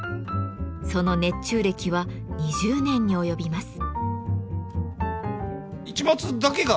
その熱中歴は２０年に及びます。